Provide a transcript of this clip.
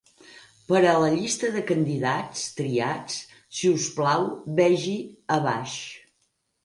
Per a la llista de candidats triats, si us plau vegi a baix.